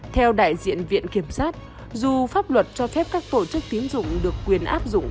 theo đại diện viện kiểm sát dù pháp luật cho phép các tổ chức tín dụng được quyền áp dụng